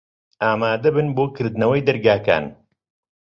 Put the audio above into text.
ئامادە بن بۆ کردنەوەی دەرگاکان.